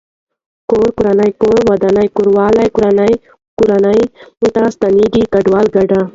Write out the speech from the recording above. کور کورونه کور ودانه کوروالی کورنۍ کورنو ته ستنيږي کډوالو کډي